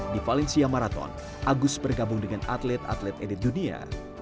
di valencia marathon agus bergabung dengan atlet atlet edit dunia